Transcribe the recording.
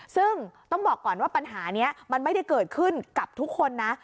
ซึ่งต้องบอกก่อนว่าปัญหานี้มันไม่ได้เกิดขึ้นกับทุกคนนะ